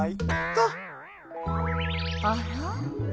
あら？